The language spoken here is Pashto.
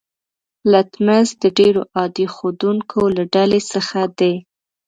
لتمس د ډیرو عادي ښودونکو له ډلې څخه دی.